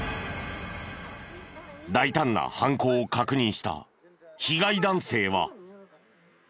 大胆な犯行を確認した被害男性は。